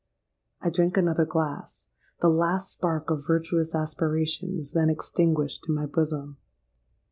I drank another glass: the last spark of virtuous aspiration was then extinguished in my bosom.